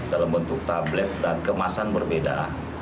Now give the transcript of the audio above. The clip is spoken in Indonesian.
dalam bentuk tablet dan kemasan berbeda